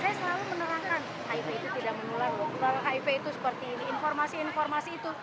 saya selalu menerangkan hiv itu tidak menular hiv itu seperti informasi informasi itu